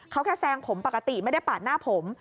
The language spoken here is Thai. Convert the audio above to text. เขาแค่แซงผมปกติไม่ได้ปาดหน้าผม